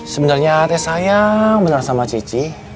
sebenernya ate sayang bener sama cici